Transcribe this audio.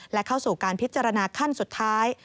และเข้าสู่การพิจารณาขั้นสุดท้าย